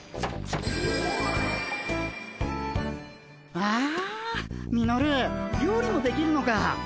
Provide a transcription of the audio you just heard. わあミノル料理もできるのか。